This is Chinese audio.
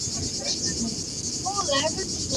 仁敦冈书室属三进两院式设计。